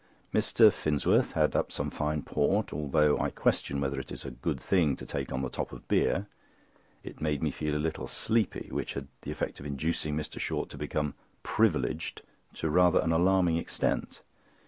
Mr. Finsworth had up some fine port, although I question whether it is a good thing to take on the top of beer. It made me feel a little sleepy, while it had the effect of inducing Mr. Short to become "privileged" to rather an alarming extent.